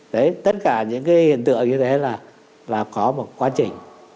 đấy tất cả những cái hiện tượng như thế là có một quá trình